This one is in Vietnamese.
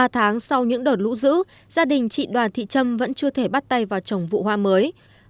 ba tháng sau những đợt lũ dữ gia đình chị đoàn thị trâm vẫn chưa thể bắt tay vào trồng vụ hoa mới